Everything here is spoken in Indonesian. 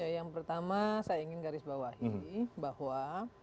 yang pertama saya ingin garis bawahi bahwa